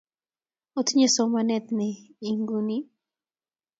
Otinye somanet ne inguni?